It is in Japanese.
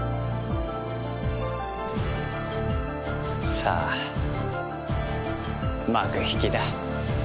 さあ幕引きだ。